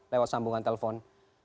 lewat sambungan telepon